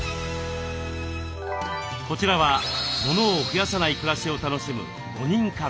こちらはモノを増やさない暮らしを楽しむ５人家族。